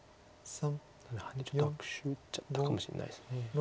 ちょっと悪手打っちゃったかもしれないです。